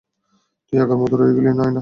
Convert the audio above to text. তুই আগের মতোই রয়ে গেলি, নায়না।